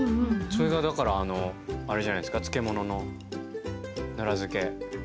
それがだからあれじゃないですか漬物の奈良漬。